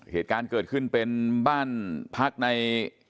เหตุการณ์เกิดขึ้นเป็นบ้านพักใน